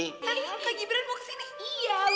kami kak gibran mau kesini